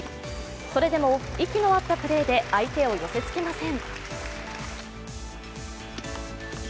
それでも息の合ったプレーで相手を寄せつけません。